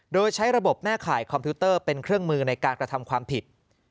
โดยใช้ระบบแม่ข่ายคอมพิวเตอร์เป็นเครื่องมือในการกระทำความผิด